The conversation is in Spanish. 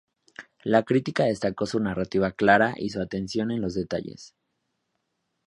La crítica destacó su narrativa clara y su atención en los detalles.